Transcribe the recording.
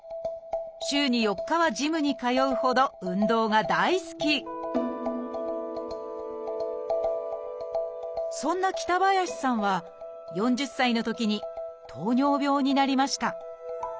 週に４日はジムに通うほど運動が大好きそんな北林さんは４０歳のときに糖尿病になりました